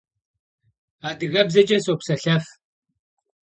Adıgebzeç'e sopselhef.